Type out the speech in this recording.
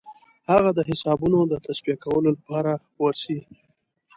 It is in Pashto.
هغه د حسابونو د تصفیه کولو لپاره ورسي.